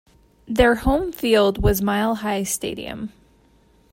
Their home field was Mile High Stadium.